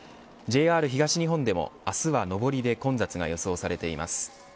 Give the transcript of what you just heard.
ＪＲ東日本でも明日は上りで混雑が予想されています。